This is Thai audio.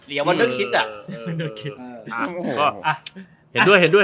เหลียวว่าเนื้อคิดอะ